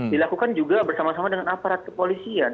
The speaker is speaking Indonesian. dilakukan juga bersama sama dengan aparat kepolisian